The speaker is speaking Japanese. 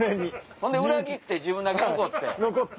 ほんで裏切って自分だけ残って。